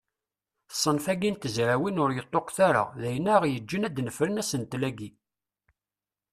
Ṣṣenf-agi n tezrawin ur yeṭṭuqet ara, d ayen aɣ-yeǧǧen ad d-nefren asentel-agi.